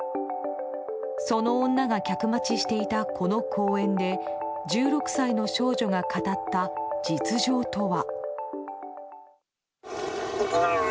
その女が客待ちしていたこの公園で１６歳の少女が語った実情とは。